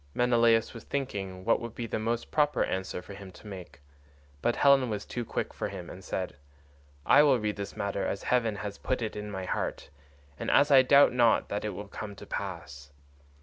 Menelaus was thinking what would be the most proper answer for him to make, but Helen was too quick for him and said, "I will read this matter as heaven has put it in my heart, and as I doubt not that it will come to pass.